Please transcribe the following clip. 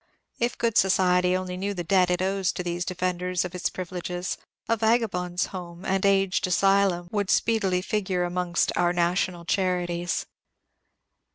If good society only knew the debt it owes to these defenders of its privileges, a "Vagabonds' Home and Aged Asylum" would speedily figure amongst bur national charities.